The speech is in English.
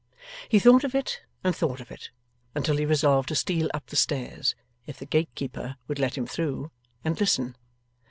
He thought of it and thought of it, until he resolved to steal up the stairs, if the gatekeeper would let him through, and listen.